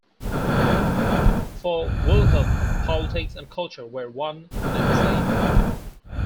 For Wilhelm, politics and culture were one and the same.